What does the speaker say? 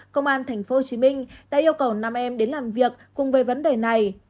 công an tp hcm đã yêu cầu nam em đến làm việc cùng với vấn đề này